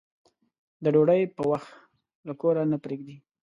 د ډوډۍ په وخت له کوره نه پرېږدي.